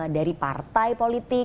dari partai politik